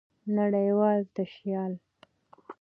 نړۍوال تشيال